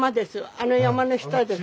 あの山の下です。